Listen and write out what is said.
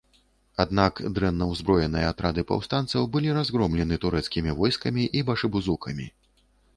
Аднак дрэнна ўзброеныя атрады паўстанцаў былі разгромлены турэцкімі войскамі і башыбузукамі.